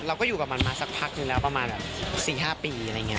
เราก็อยู่กับมันมาสักพักนึงแล้วประมาณแบบ๔๕ปีอะไรอย่างนี้